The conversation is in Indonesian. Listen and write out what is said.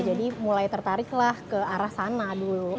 jadi mulai tertarik lah ke arah sana dulu gitu